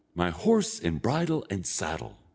My horse, and bridle, and saddle!"